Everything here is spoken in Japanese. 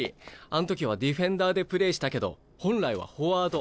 あん時はディフェンダーでプレーしたけど本来はフォワード。